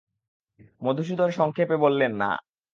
মধুসূদন সংক্ষেপে বললে, না।